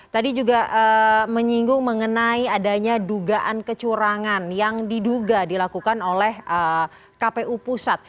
tadi juga menyinggung mengenai adanya dugaan kecurangan yang diduga dilakukan oleh kpu pusat